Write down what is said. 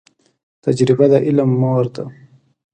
تجریبه د علم مور ده